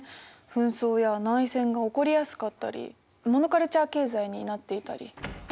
紛争や内戦が起こりやすかったりモノカルチャー経済になっていたり。